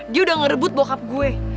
dia udah ngerebut bockup gue